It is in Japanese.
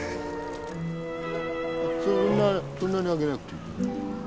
そんなそんなにあげなくていいよ。